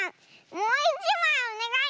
もういちまいおねがい！